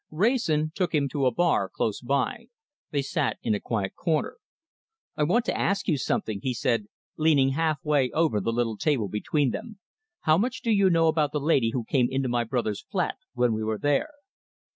Wrayson took him to a bar close by. They sat in a quiet corner. "I want to ask you something," he said, leaning halfway over the little table between them. "How much do you know about the lady who came into my brother's flat when we were there?"